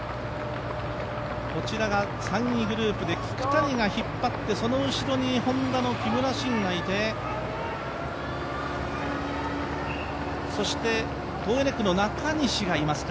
こちらが３位グループで聞谷が引っ張ってその後ろにＨｏｎｄａの木村慎がいて、トーエネックの中西がいますか。